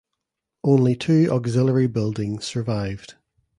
Only two auxiliary buildings survived.